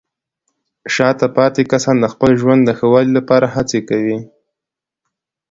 شاته پاتې کسان د خپل ژوند د ښه والي لپاره هڅې کوي.